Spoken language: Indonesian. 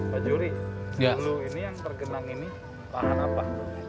pak juri yang tergenang ini lahan apa